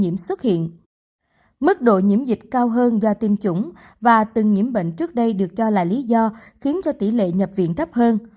mức nhiễm dịch cao hơn do tiêm chủng và từng nhiễm bệnh trước đây được cho là lý do khiến cho tỷ lệ nhập viện thấp hơn